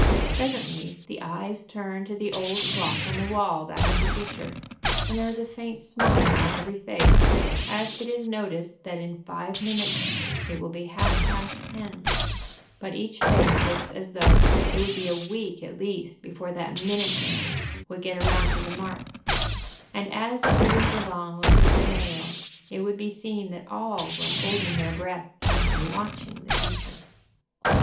Presently the eyes turn to the old clock on the wall back of the teacher, and there is a faint smile on every face as it is noticed that in five minutes it will be half past ten, but each face looks as though it would be a week at least before that minute hand would get around to the mark, and as it moved along like a snail it would be seen that all were holding their breath, and watching the teacher.